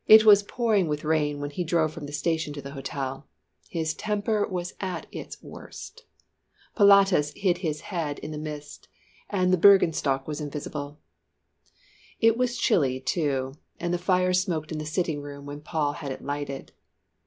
It was pouring with rain when he drove from the station to the hotel. His temper was at its worst. Pilatus hid his head in mist, the Bürgenstock was invisible it was chilly, too, and the fire smoked in the sitting room when Paul had it lighted.